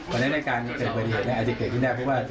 ก็นั้นในการมีเกิดบริหารนั้นอาจจะเกิดที่แนบว่า